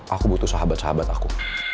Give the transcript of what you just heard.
aku butuh sahabat sahabat aku